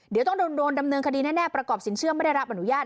เดี๋ยวต้องโดนดำเนินคดีแน่ประกอบสินเชื่อไม่ได้รับอนุญาต